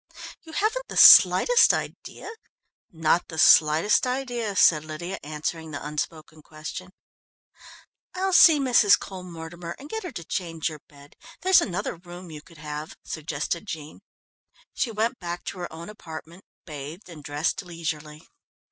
You haven't the slightest idea " "Not the slightest idea," said Lydia, answering the unspoken question. "I'll see Mrs. Cole Mortimer and get her to change your bed there's another room you could have," suggested Jean. She went back to her own apartment, bathed and dressed leisurely.